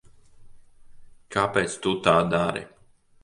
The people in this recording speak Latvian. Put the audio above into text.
Kāpēc tu tā dari?